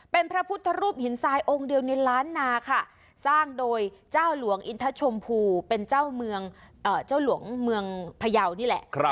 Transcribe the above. เป็นพระพุทธรูปหินทรายองค์เดียวในล้านนาค่ะสร้างโดยเจ้าหลวงอินทชมพูเป็นเจ้าเมืองเจ้าหลวงเมืองพยาวนี่แหละ